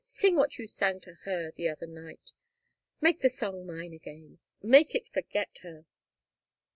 "Sing what you sang to her the other night. Make the song mine again. Make it forget her.